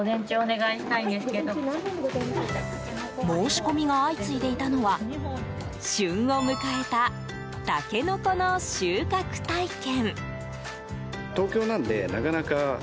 申し込みが相次いでいたのは旬を迎えたタケノコの収穫体験。